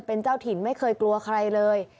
เป็นเจ้าถิ่นไม่เคยกลัวใครเลย